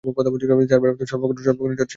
চার ভাইয়ের মধ্যে সর্বকনিষ্ঠ ছিলেন তিনি।